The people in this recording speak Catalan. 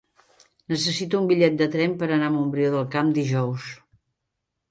Necessito un bitllet de tren per anar a Montbrió del Camp dijous.